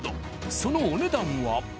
そのお値段は？